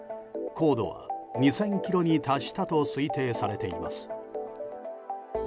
高度は２０００ｋｍに達したと推定されています。